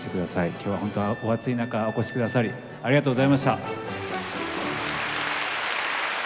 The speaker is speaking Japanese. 今日は本当お暑い中お越しくださりありがとうございました。